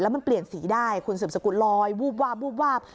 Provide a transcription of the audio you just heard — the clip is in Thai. มันเปลี่ยนสีได้คุณสืบสกุลลอยวูบวาบวูบวาบ